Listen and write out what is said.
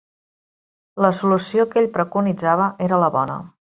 La solució que ell preconitzava era la bona.